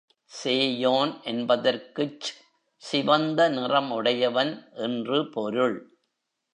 சேயோன் என்பதற்குச் சிவந்த நிறம் உடையவன் என்று பொருள்.